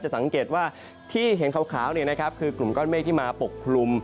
สังเกตว่าที่เห็นขาวคือกลุ่มก้อนเมฆที่มาปกคลุม